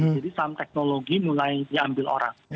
jadi saham teknologi mulai diambil orang